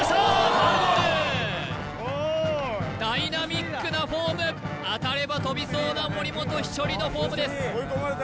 ファールボールダイナミックなフォーム当たれば飛びそうな森本稀哲のフォームです